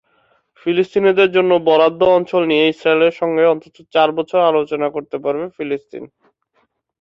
ফিলিস্তিনিদের জন্য বরাদ্দ অঞ্চল নিয়ে ইসরায়েলের সঙ্গে অন্তত চার বছর আলোচনা করতে পারবে ফিলিস্তিন।